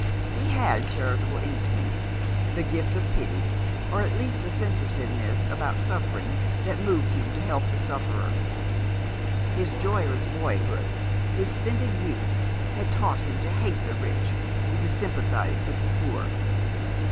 He had charitable instincts, the gift of pity, or at least a sensitiveness about suffering that moved him to help the sufferer. His joyless boyhood, his stinted youth, had taught him to hate the rich and to sympathize with the poor.